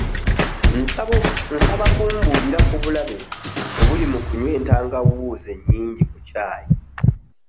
Nsaba kumbuulira ku bulabe obuli mu kunywa entangawuuzi ennyingi ku ccaayi.